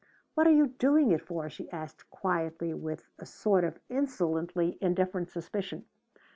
"What are you doing it for?" she asked quietly with a sort of insolently indifferent suspicion.